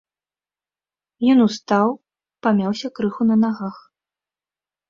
Ён устаў, памяўся крыху на нагах.